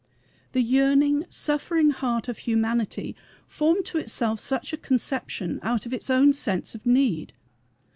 The yearning, suffering heart of humanity formed to itself such a conception out of its own sense of need.